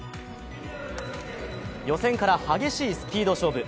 予選から激しいスピード勝負。